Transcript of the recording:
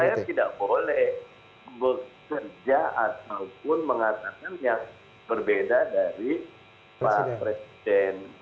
saya tidak boleh bekerja ataupun mengatakan yang berbeda dari pak presiden